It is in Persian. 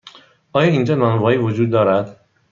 آیا اینجا نانوایی وجود دارد؟